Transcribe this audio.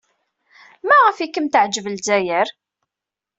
Maɣef ay kem-teɛjeb Lezzayer?